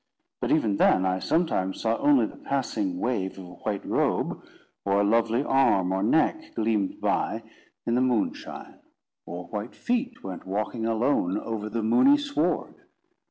But, even then, I sometimes saw only the passing wave of a white robe; or a lovely arm or neck gleamed by in the moonshine; or white feet went walking alone over the moony sward.